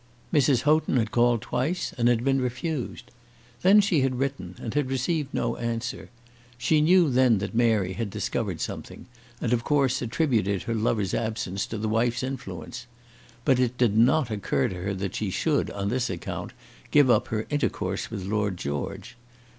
Mrs. Houghton had called twice, and had been refused. Then she had written, and had received no answer. She knew then that Mary had discovered something, and, of course, attributed her lover's absence to the wife's influence. But it did not occur to her that she should, on this account, give up her intercourse with Lord George.